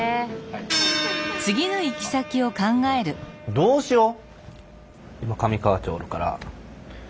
どうしよう？